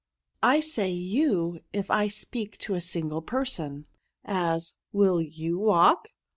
'*'* I say you if I speak to a single person ; as, will pou walk